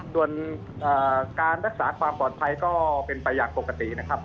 ส่วนการรักษาความปลอดภัยก็เป็นไปอย่างปกตินะครับ